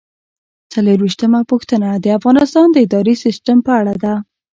څلرویشتمه پوښتنه د افغانستان د اداري سیسټم په اړه ده.